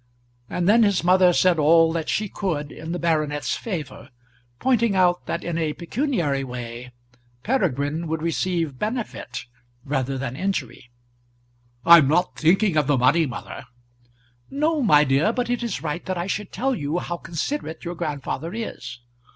And then his mother said all that she could in the baronet's favour, pointing out that in a pecuniary way Peregrine would receive benefit rather than injury. "I'm not thinking of the money, mother." "No, my dear; but it is right that I should tell you how considerate your grandfather is."